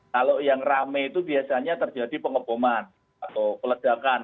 kalau yang rame itu biasanya terjadi pengeboman atau peledakan